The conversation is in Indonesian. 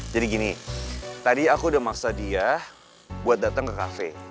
jadi gini tadi aku udah maksa dia buat dateng ke cafe